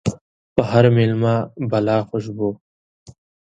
په هر ميلمه بلا خوشبو